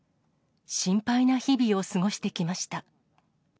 心配な日々を過ごしてきました。